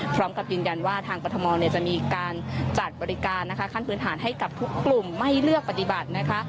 พร้อมกับยืนยันว่าทางกรทมจะมีการจัดบริการนะคะขั้นพื้นฐานให้กับทุกกลุ่มไม่เลือกปฏิบัตินะคะ